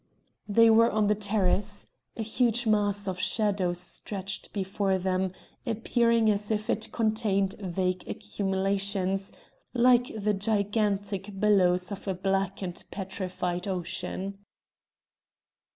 They were on the terrace. A huge mass of shadow stretched before them, appearing as if it contained vague accumulations, like the gigantic billows of a black and petrified ocean.